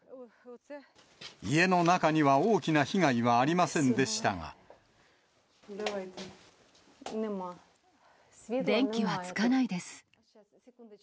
家の中には大きな被害はあり電気はつかないです。